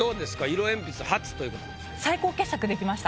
色鉛筆初ということですけど。